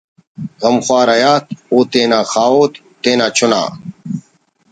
غمخوارحیات او تینا خاہوت تینا چُنا